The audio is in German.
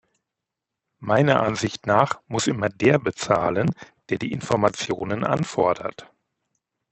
Meiner Ansicht nach muss immer der bezahlen, der die Informationen anfordert.